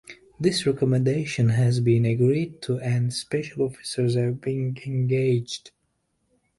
This recommendation has been agreed to and special officers have been engaged.